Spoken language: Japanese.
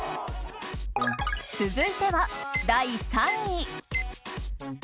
続いては第３位。